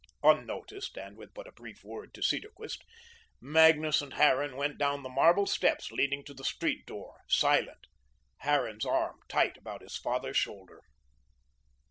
Unnoticed, and with but a brief word to Cedarquist, Magnus and Harran went down the marble steps leading to the street door, silent, Harran's arm tight around his father's shoulder.